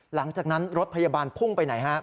หลังจากนั้นรถพยาบาลพุ่งไปไหนฮะ